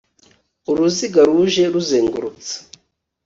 Uruziga ruje ruzengurutse